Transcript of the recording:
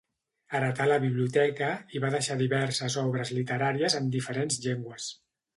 N'heretà la biblioteca, i va deixar diverses obres literàries en diferents llengües.